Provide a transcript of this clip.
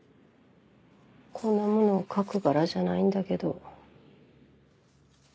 こんなものを書く柄じゃないんだけど。